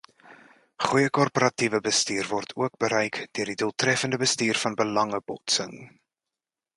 Goeie korporatiewe bestuur word ook bereik deur die doeltreffende bestuur van belangebotsing.